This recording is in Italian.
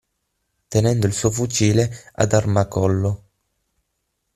Tenendo il suo fucile ad armacollo.